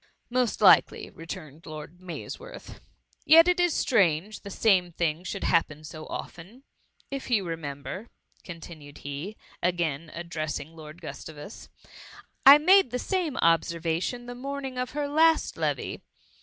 ^" Most likely, returned Lord Mays worth ;*^ yet it is strange the same tiling shoul4 happen so often. — If you remember, continued he, again addressing Lord Gustavus, ^^ I made the sdme observation the morning of her last levee.